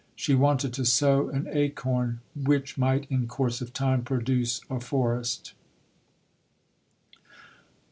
She wanted to sow an acorn which might in course of time produce a forest.